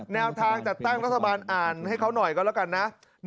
แนวทางจัดตั้งรัฐบาลอ่านให้เขาหน่อยก็แล้วกันนะ